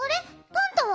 パンタは？